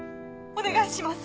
お願いします。